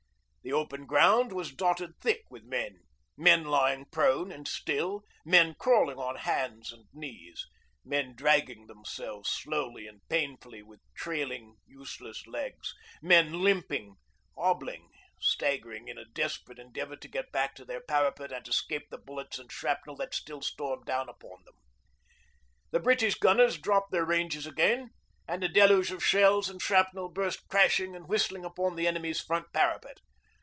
The open ground was dotted thick with men, men lying prone and still, men crawling on hands and knees, men dragging themselves slowly and painfully with trailing, useless legs, men limping, hobbling, staggering, in a desperate endeavour to get back to their parapet and escape the bullets and shrapnel that still stormed down upon them. The British gunners dropped their ranges again, and a deluge of shells and shrapnel burst crashing and whistling upon the enemy's front parapet.